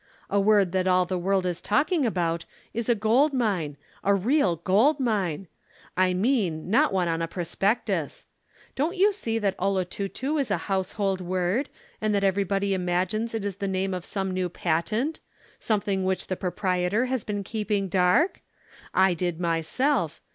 "A word that all the world is talking about is a gold mine a real gold mine. I mean, not one on a prospectus. Don't you see that 'Olotutu' is a household word, and that everybody imagines it is the name of some new patent, something which the proprietor has been keeping dark? I did myself.